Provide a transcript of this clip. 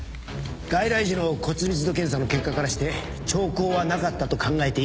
外来時の骨密度検査の結果からして兆候はなかったと考えていいと思いますが。